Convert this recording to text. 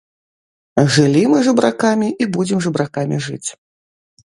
Жылі мы жабракамі і будзем жабракамі жыць.